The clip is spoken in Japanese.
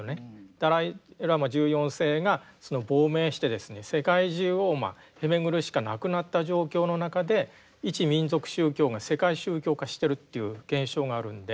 ダライ・ラマ１４世がその亡命してですね世界中をまあ経巡るしかなくなった状況の中で一民族宗教が世界宗教化しているという現象があるので。